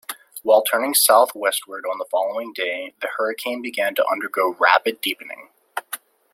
While turning southwestward on the following day, the hurricane began to undergo rapid deepening.